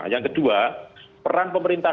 yang kedua peran pemerintah